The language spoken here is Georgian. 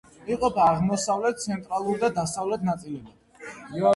იყოფა აღმოსავლეთ, ცენტრალურ და დასავლეთ ნაწილებად.